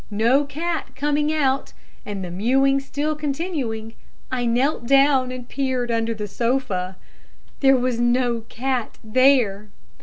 No cat coming out and the mewing still continuing, I knelt down and peered under the sofa. There was no cat there.